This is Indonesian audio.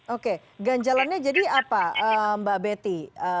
oke ganjalannya jadi apa mbak betty